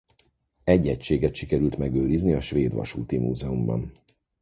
Egy egységet sikerült megőrizni a svéd vasúti múzeumban.